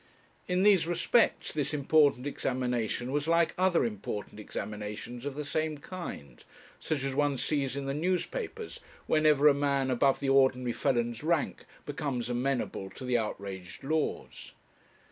In these respects this important examination was like other important examinations of the same kind, such as one sees in the newspapers whenever a man above the ordinary felon's rank becomes amenable to the outraged laws.